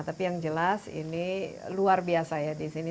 tapi yang jelas ini luar biasa ya di sini